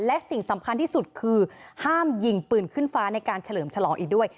และสิ่งสำคัญที่สุดคือห้ามยิงปืนขึ้นฟ้าในการเฉลิมฉลองอีกด้วย